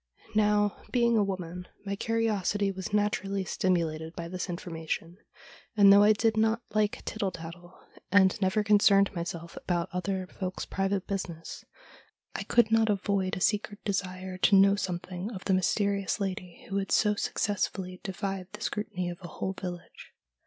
Now, being a woman, my curiosity was naturally stimulated by this information, and though I did not like tittle tattle, and never concerned myself about other folks' private business, I could not avoid a secret desire to know something of this mysterious lady, who had so successfully defied the scrutiny of a whole village.